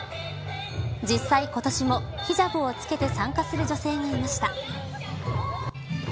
実際、今年もヒジャブを着けて参加する女性もいました。